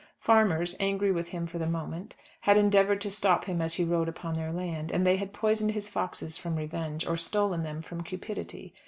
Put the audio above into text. Farmers, angry with him for the moment, had endeavoured to stop him as he rode upon their land; and they had poisoned his foxes from revenge, or stolen them from cupidity.